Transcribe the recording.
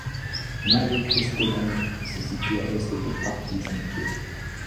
Malé Kršteňany se situe à l’est de Partizánske.